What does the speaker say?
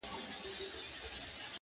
چي د ژوند د رنګینیو سر اغاز دی,